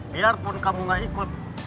biarpun kamu nggak ikut